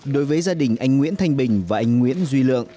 đối với gia đình anh nguyễn thanh bình và anh nguyễn duy lượng